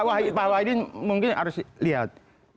kalau aiden mungkin harus lihat